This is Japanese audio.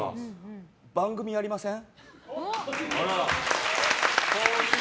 番組やりません？